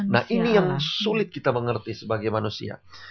nah ini yang sulit kita mengerti sebagai manusia